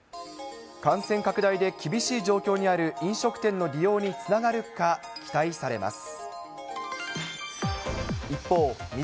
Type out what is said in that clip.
感染拡大で厳しい状況にある飲食店の利用につながるか、期待されます。